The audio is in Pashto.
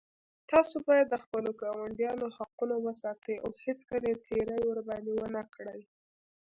تاسو باید د خپلو ګاونډیانو حقونه وساتئ او هېڅکله تېری ورباندې ونه کړئ